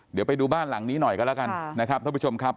เดี๋ยวไปดูบ้านหลังนี้หน่อยกันแล้วกันนะครับท่านผู้ชมครับ